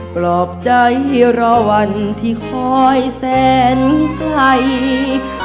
ปลอบใจรอวันที่คอยแสนไกล